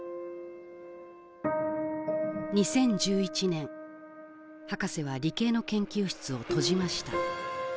２０１１年ハカセは理系の研究室を閉じました。